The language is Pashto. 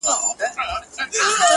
داده ميني ښار وچاته څه وركوي؛